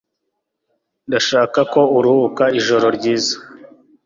Ndashaka ko uruhuka ijoro ryiza